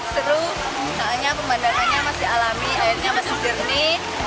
terus seandainya pemandangannya masih alami airnya masih jernih